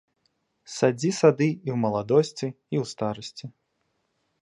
Садзі сады і ў маладосці, і ў старасці!